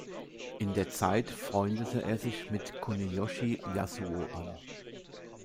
In der Zeit freundete er sich mit Kuniyoshi Yasuo an.